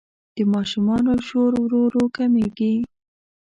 د ماشومانو شور ورو ورو کمېږي.